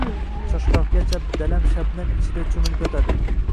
Choshgohgacha dala shabnam ichida choʻmilib yotadi.